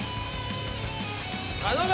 頼む